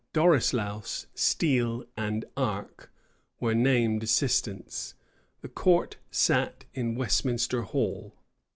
Dorislaus, Steele, and Arke, were named assistants. The court sat in Westminster Hall.